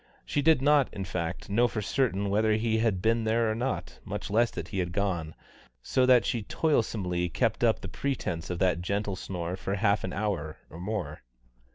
She did not, in fact, know for certain whether he had been there or not, much less that he had gone, so that she toilsomely kept up the pretence of that gentle snore for half an hour or more.